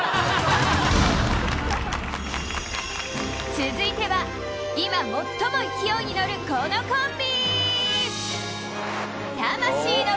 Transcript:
続いては今最も勢いに乗るこのコンビ！